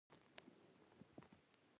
ملاتړ ملګری وي.